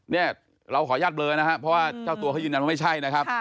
เนี่ยเราขออนุญาตเบลอนะครับเพราะว่าเจ้าตัวเขายืนยันว่าไม่ใช่นะครับ